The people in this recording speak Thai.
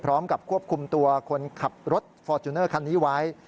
พร้อมกับควบคุมตัวคนขับรถฟอร์จูเนอร์คันนี้ไว้